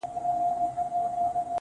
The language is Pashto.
ورباندي وځړوې.